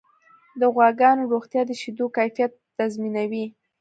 د غواګانو روغتیا د شیدو کیفیت تضمینوي.